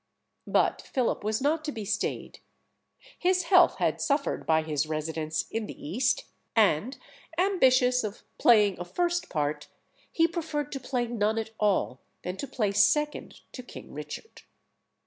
But Philip was not to be stayed. His health had suffered by his residence in the East; and, ambitious of playing a first part, he preferred to play none at all than to play second to King Richard.